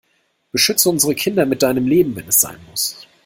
Beschütze unsere Kinder mit deinem Leben, wenn es sein muss!